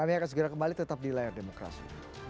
kami akan segera kembali tetap di layar demokrasi